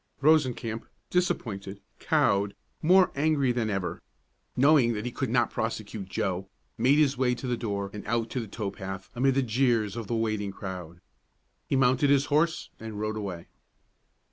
Rosencamp, disappointed, cowed, more angry than ever, knowing that he could not prosecute Joe, made his way to the door and out to the tow path amid the jeers of the waiting crowd. He mounted his horse, and rode away.